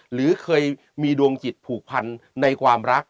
หรือเคยมีดวงจิตผูกพันในความรัก